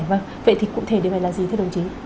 vâng vậy thì cụ thể điều này là gì thưa đồng chí